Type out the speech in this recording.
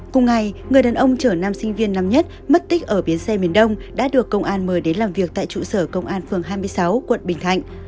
cùng ngày người đàn ông chở nam sinh viên năm nhất mất tích ở biến xe miền đông đã được công an mời đến làm việc tại trụ sở công an phường hai mươi sáu quận bình thạnh